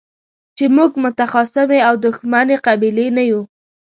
چې موږ متخاصمې او دښمنې قبيلې نه يو.